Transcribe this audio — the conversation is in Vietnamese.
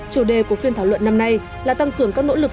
chủ đề của phiên thảo luận năm nay là tăng cường các nỗ lực